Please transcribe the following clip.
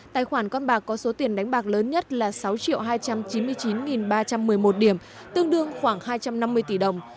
tài khoản con bạc có số tiền đánh bạc lớn nhất là sáu hai trăm chín mươi chín ba trăm một mươi một điểm tương đương khoảng hai trăm năm mươi tỷ đồng